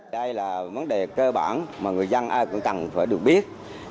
đây là vấn đề cơ bản mà người dân ai cũng cần phải được biết